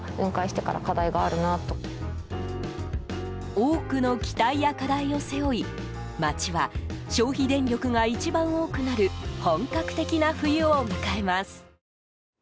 多くの期待や課題を背負い街は、消費電力が一番多くなる本格的な冬を迎えます。